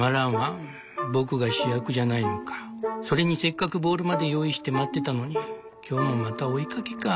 それにせっかくボールまで用意して待ってたのに今日もまたお絵描きかぁ」。